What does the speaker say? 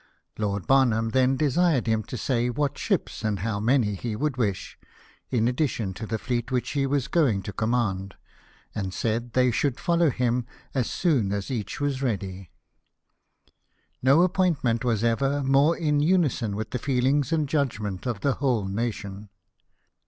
Lord Barham then desired him to say what ships, and how many, he would wish, in addition to the fleet which he was going to command, and said they should follow him as soon as each was ready. No appointment was ever more in unison with the feelings and judgment of the whole nation.